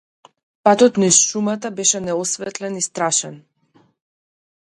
Патот низ шумата беше неосветлен и страшен.